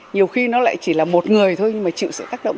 nhiều khi nó lại chỉ là một người thôi nhưng mà chịu sự tác động